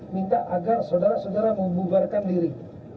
minta agar saudara saudara membubarkan diri